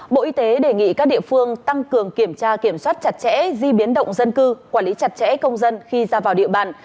bộ y tế đề nghị các địa phương tăng cường kiểm tra kiểm soát chặt chẽ di biến động dân cư quản lý chặt chẽ công dân khi ra vào địa bàn